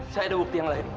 saya ada bukti yang lain